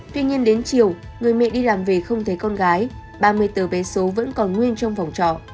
tuy nhiên đến chiều người mẹ đi làm về không thấy con gái ba mươi tờ bé số vẫn còn nguyên trong phòng trọ